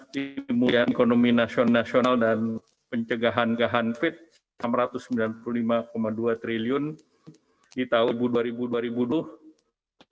di ekonomi nasional dan pencegahan kehancuran enam ratus sembilan puluh lima dua triliun di tahun